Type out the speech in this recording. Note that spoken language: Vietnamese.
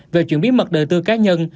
về chuyển biến mật đời tư cá nhân